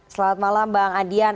selamat malam bang adian